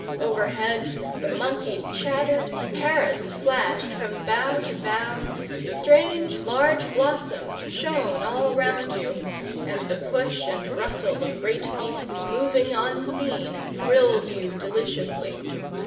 Overhead the monkeys chattered, parrots flashed from bough to bough, strange large blossoms shone around you, and the push and rustle of great beasts moving unseen thrilled you deliciously.